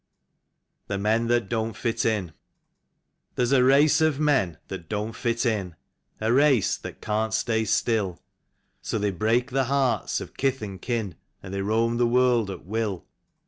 47 THE MEN THAT DOWT FIT IN. There's a race of men that don't fit in, A race that can't stay still; So they break the hearts of kith and kin. And they roam the world at will.